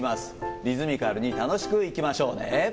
リズミカルに楽しくいきましょうね。